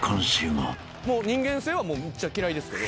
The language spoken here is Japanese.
もう人間性はめっちゃ嫌いですけど。